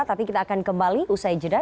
tapi kita akan kembali usai jeda